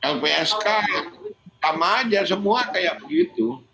lpsk sama aja semua kayak begitu